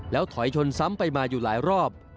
แล้วถอยชนซ้ำไปมาอยู่หลายรอบ